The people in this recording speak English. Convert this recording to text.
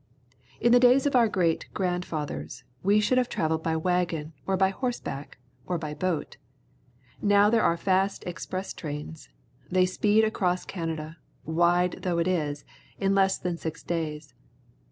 In the days of our great grand fathers, we should have travelled by wagon, or by horse back, or by boat. Now there are fast express trains. They speed across Canada, wide though it is, in less than six days.